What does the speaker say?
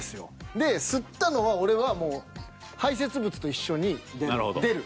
で吸ったのは俺はもう排せつ物と一緒に出る。